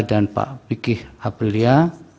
dan pak fikih aprilia